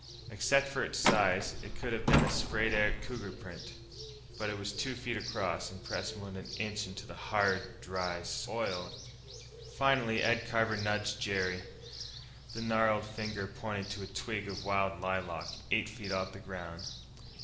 Except for its size, it could have been a splayed out cougar print. But it was two feet across, and pressed more than an inch into the hard, dry soil. Finally Ed Carver nudged Jerry. The gnarled finger pointed to a twig of wild lilac eight feet off the ground.